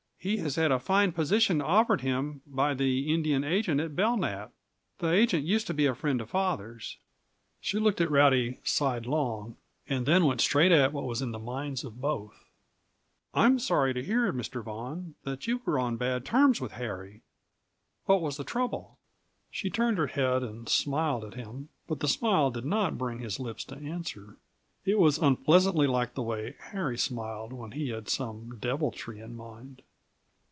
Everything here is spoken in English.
He has had a fine position offered him by the Indian agent at Belknap. The agent used to be a friend of father's." She looked at Rowdy sidelong, and then went straight at what was in the minds of both. "I'm sorry to hear, Mr. Vaughan, that you are on bad terms with Harry. What was the trouble?" She turned her head and smiled at him but the smile did not bring his lips to answer; it was unpleasantly like the way Harry smiled when he had some deviltry in mind.